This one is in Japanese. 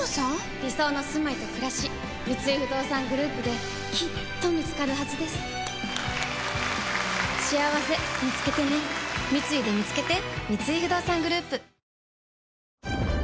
理想のすまいとくらし三井不動産グループできっと見つかるはずですしあわせみつけてね三井でみつけてわぁ！